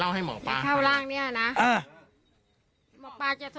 พระต่ายสวดมนต์